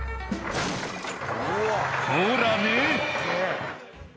「ほらね！」